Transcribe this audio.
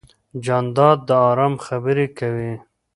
جانداد د ارام خبرې کوي.